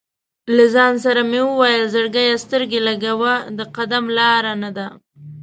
له ځان سره مې ویل: "زړګیه سترګې لګوه، د قدم لاره نه ده".